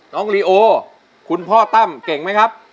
น้องลีโอคุณพ่อตั้มเก่งไหมครับ